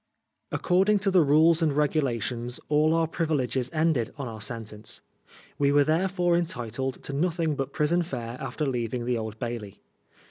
According to the "rules and regulations," all our privileges ended on our sentence. We were therefore entitled to nothing but prison fare after leaving the Old Bailey.